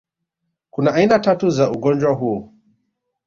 Kuna aina tatu za ugonjwa huu